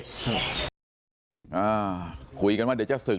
ครับอ่าคุยกันว่าเดี๋ยวจะศึก